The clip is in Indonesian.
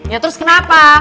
ya terus kenapa